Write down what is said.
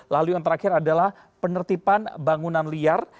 lalu yang terakhir adalah penertiban bangunan liar